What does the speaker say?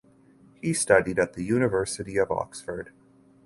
He studied at the University of Oxford.